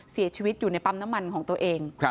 เสียชีวิตอยู่ในปั๊มน้ำมันของตัวเอง